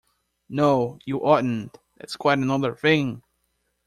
No, you oughtn’t: that’s quite another thing!